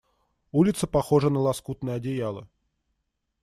Улица похожа на лоскутное одеяло.